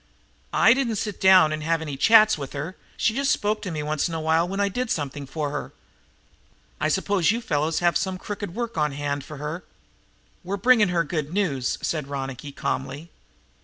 "I didn't sit down and have any chats with her. She just spoke to me once in a while when I did something for her. I suppose you fellows have some crooked work on hand for her?" "We're bringing her good news," said Ronicky calmly.